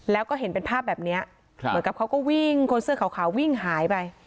แล้วก็เห็นเป็นภาพแบบนี้เหมือนกับเขาก็วิ่งคนเสื้อขาววิ่งหายไป